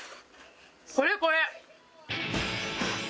これこれ！